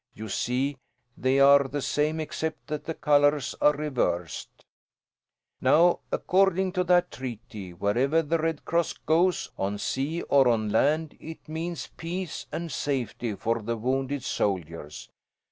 You see they are the same except that the colours are reversed. "Now, according to that treaty, wherever the Red Cross goes, on sea or on land, it means peace and safety for the wounded soldiers.